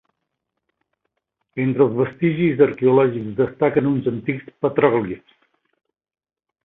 Entre els vestigis arqueològics destaquen uns antics petròglifs.